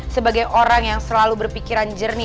sebagai orang yang selalu berpikiran jernih